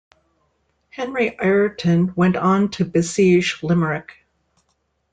Henry Ireton, went on to besiege Limerick.